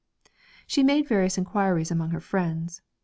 She made various inquiries among her friends.